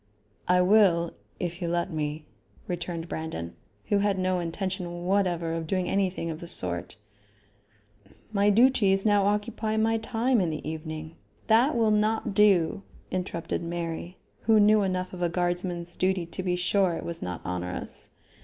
"I will, if you let me," returned Brandon, who had no intention whatever of doing anything of the sort. "My duties now occupy my time in the evening " "That will not do," interrupted Mary, who knew enough of a guardsman's duty to be sure it was not onerous.